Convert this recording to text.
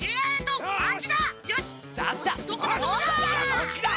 そっちだ！